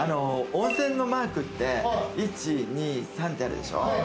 温泉のマークって、１、２、３ってあるでしょ。